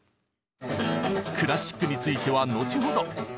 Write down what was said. クラシックについては後ほど。